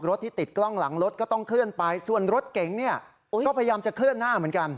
ที่ติดกล้องหลังรถก็ต้องเคลื่อนไปส่วนรถเก๋งเนี่ยก็พยายามจะเคลื่อนหน้าเหมือนกัน